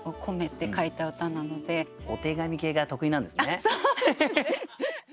あっそうですね。